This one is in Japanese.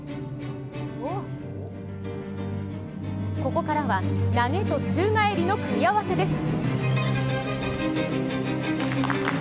ここからは投げと宙返りの組み合わせです。